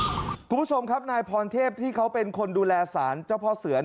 คุณผู้ชมครับนายพรเทพที่เขาเป็นคนดูแลสารเจ้าพ่อเสือ